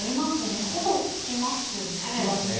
ほぼ、つきますね。